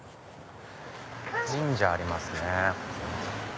神社ありますね。